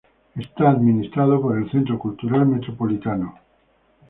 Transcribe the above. Está administrado por el Centro Cultural Metropolitano.